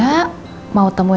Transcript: mau temuin elsa di kantornya